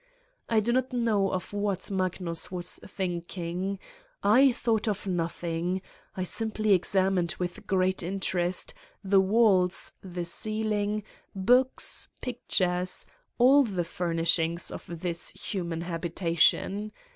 I do not know of what Magnus was thinking. I thought of nothing : I simply examined with great interest, the walls, the ceiling, books, pictures all the fur nishings of this human habitation.